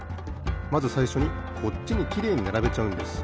まずさいしょにこっちにきれいにならべちゃうんです。